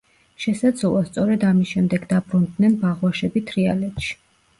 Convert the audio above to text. შესაძლოა, სწორედ ამის შემდეგ დაბრუნდნენ ბაღვაშები თრიალეთში.